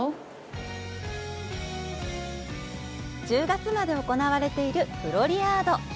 １０月まで行われているフロリアード。